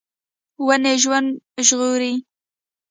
ونې ژوند ژغوري.